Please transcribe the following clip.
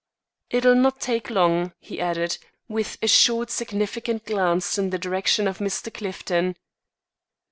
"It'll not take long," he added, with a short significant glance in the direction of Mr. Clifton.